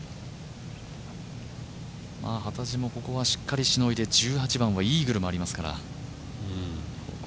幡地も、ここはしっかりとしのいで１８番はイーグルもありますから。